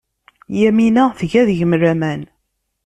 Yamina tga deg-m laman.